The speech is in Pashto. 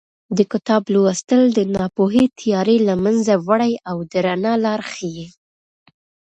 د کتاب لوستل د ناپوهۍ تیارې له منځه وړي او د رڼا لار ښیي.